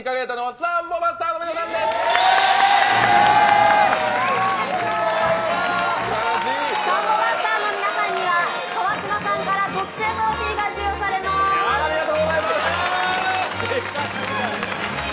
サンボマスターの皆さんには、川島さんから特製トロフィーが授与されます。